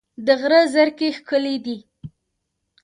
د غره زرکې ښکلې دي